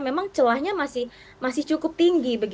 memang celahnya masih cukup tinggi